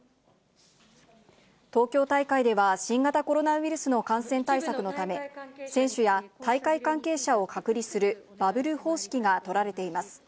東京大会では新型コロナウイルスの感染対策のため、選手や大会関係者を隔離する、バブル方式が取られています。